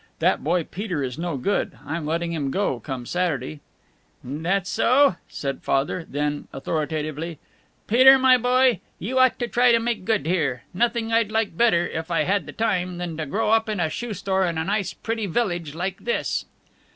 That boy Peter is no good. I'm letting him go, come Saturday." "That so?" said Father; then, authoritatively: "Peter, my boy, you ought to try to make good here. Nothing I'd like better if I had the time than to grow up in a shoe store in a nice, pretty village like this."